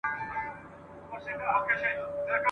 چي غلیم یې هم د سر هم د ټبر وي !.